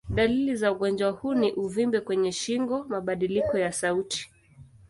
Dalili za ugonjwa huu ni uvimbe kwenye shingo, mabadiliko ya sauti.